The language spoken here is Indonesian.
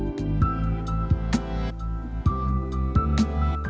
terbesar mereka membanjiri tentang sebuah ruang dasar ini